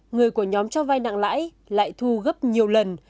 người của nhóm cho vai nặng lãi lại thu gấp nhiều lần